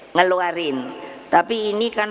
ngeluarin tapi ini kan